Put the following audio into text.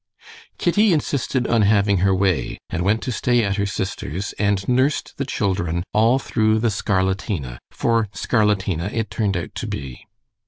Kitty insisted on having her way, and went to stay at her sister's and nursed the children all through the scarlatina, for scarlatina it turned out to be.